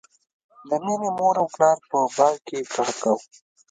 د مینې مور او پلار په بانک کې کار کاوه